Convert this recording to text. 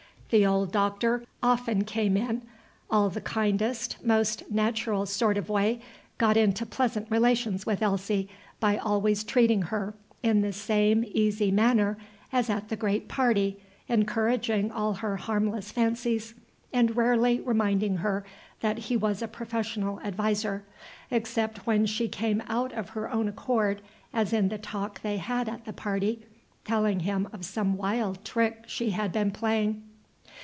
The old Doctor often came in, in the kindest, most natural sort of way, got into pleasant relations with Elsie by always treating her in the same easy manner as at the great party, encouraging all her harmless fancies, and rarely reminding her that he was a professional adviser, except when she came out of her own accord, as in the talk they had at the party, telling him of some wild trick she had been playing.